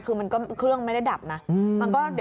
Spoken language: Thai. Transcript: คือเครื่องไม่ได้ดับนะ